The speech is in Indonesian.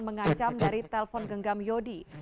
mengancam dari telpon genggam yodi